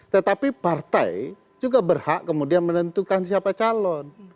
tetapi partai juga berhak kemudian menentukan siapa calon